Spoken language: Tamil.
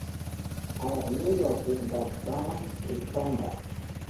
அவர் நியூயார்க்கின் The Bronx இல் பிறந்தார்.